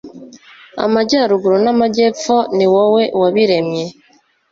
Amajyaruguru n’amajyepfo ni wowe wabiremye